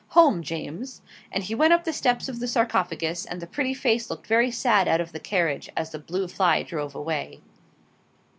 'Home, James.' And he went up the steps of the 'Sarcophagus,' and the pretty face looked very sad out of the carriage, as the blue fly drove away.